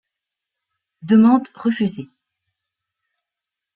Demande refusée.